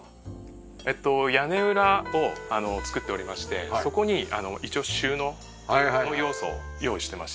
えっと屋根裏を作っておりましてそこに一応収納の要素を用意してまして。